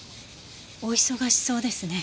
お忙しそうですね。